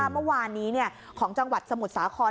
เมื่อวานงานจังหวัดสมุดสาคอน